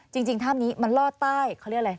จริงถ้ำนี้มันลอดใต้เขาเรียกอะไร